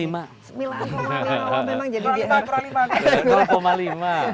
sembilan lima memang jadi dia